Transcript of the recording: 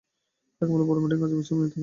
আগামীকাল বড় মিটিং আছে, বিশ্রাম নিতে হবে।